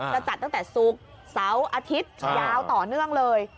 จะจัดตั้งแต่ศูกษาวอาทิตยาวต่อเนื่องเลย